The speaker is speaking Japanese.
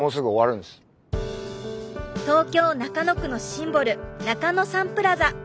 東京・中野区のシンボル中野サンプラザ。